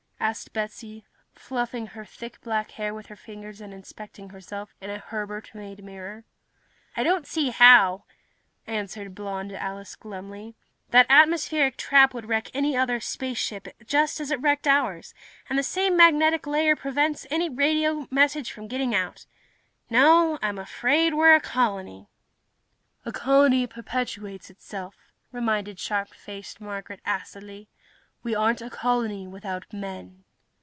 asked Betsy, fluffing her thick black hair with her fingers and inspecting herself in a Herbert made mirror. "I don't see how," answered blond Alice glumly. "That atmospheric trap would wreck any other ship just as it wrecked ours, and the same magnetic layer prevents any radio message from getting out. No, I'm afraid we're a colony." "A colony perpetuates itself," reminded sharp faced Marguerite, acidly. "We aren't a colony, without men."